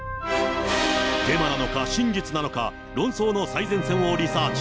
デマなのか、真実なのか、論争の最前線をリサーチ。